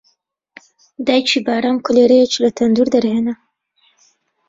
دایکی بارام کولێرەیەکی لە تەندوور دەرهێنا